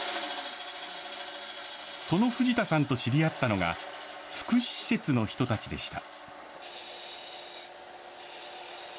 その藤田さんと知り合ったのが、福祉施設の人たちでした。